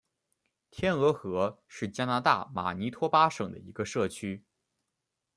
天鹅河是加拿大马尼托巴省的一个社区。